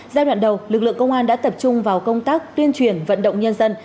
giai đoạn đầu lực lượng công an đã tập trung vào công tác tuyên truyền vận động nhân dân